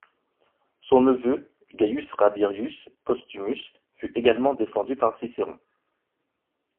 Son neveu, Gaius Rabirius posthumus, fut également défendu par Cicéron.